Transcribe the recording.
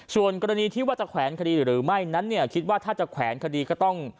ส่วนกรณีที่ว่าจะแขวนคดีหรือไม่นั้นเนี่ยคิดว่าถ้าจะแขวนคดีก็ต้อง